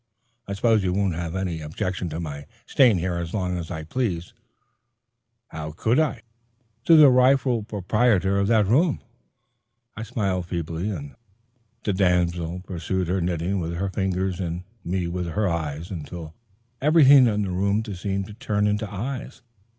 I suppose you won't have any objections to my staying here as long as I please." How could I, an interloper, say "no" to the rightful proprietor of that room? I smiled feebly, and the damsel pursued her knitting with her fingers and me with her eyes, until everything in the room seemed to turn into eyes.